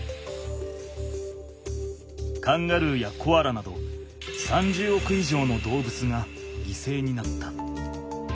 カンガルーやコアラなど３０億以上の動物がぎせいになった。